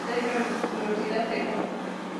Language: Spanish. Estudió derecho en la Universidad de Moscú.